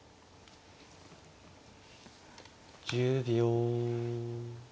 １０秒。